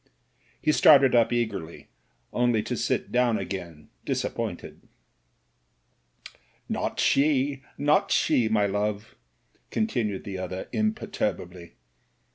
He started up eagerly, only to sit down again disappointed. "Not she, not she, my love," continued the other imperturbably.